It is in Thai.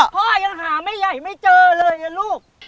พ่อยังหาแม่ใหญ่ไม่เจอเลยนะลูก